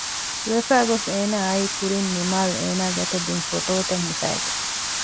ދުވެފައި ގޮސް އޭނާ އައީ ކުރިން ނިމާލް އޭނާ އަތަށް ދިން ފޮޓޯތައް ހިފައިގެން